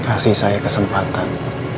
kasih saya kesempatan